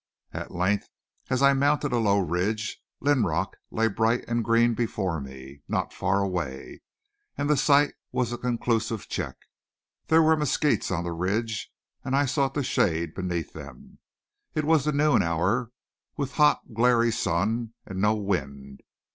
At length, as I mounted a low ridge, Linrock lay bright and green before me, not faraway, and the sight was a conclusive check. There were mesquites on the ridge, and I sought the shade beneath them. It was the noon hour, with hot, glary sun and no wind.